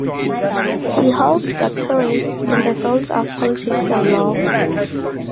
He holds doctorates in the fields of politics and law.